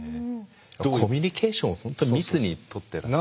コミュニケーションを本当に密に取ってらっしゃる。